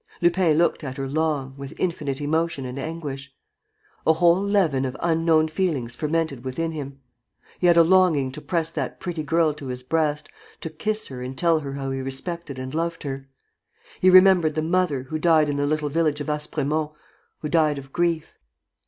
Lupin looked at her long, with infinite emotion and anguish. A whole leaven of unknown feelings fermented within him. He had a longing to press that pretty girl to his breast, to kiss her and tell her how he respected and loved her. He remembered the mother, who died in the little village of Aspremont, who died of grief.